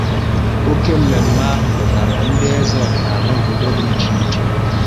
Oke mmemme ahụ dọtàrà ndị eze ọdịnala obodo dị iche iche